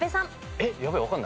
えっ。